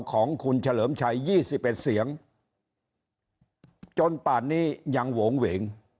ของคุณเฉลิมชัย๒๑เสียงจนป่านนี้ยังโหงเหวง